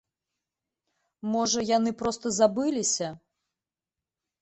Можа, яны проста забыліся?